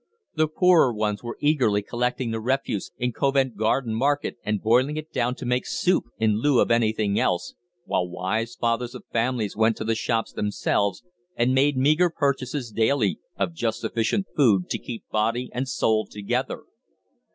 The poorer ones were eagerly collecting the refuse in Covent Garden Market and boiling it down to make soup in lieu of anything else, while wise fathers of families went to the shops themselves and made meagre purchases daily of just sufficient food to keep body and soul together.